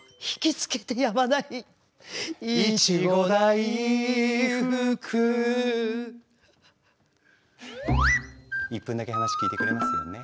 いちご大福１分だけ話聞いてくれますよね？